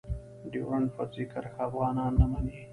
ډيورنډ فرضي کرښه افغانان نه منی.